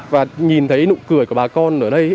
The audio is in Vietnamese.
và nhìn thấy nụ cười của bà con ở đây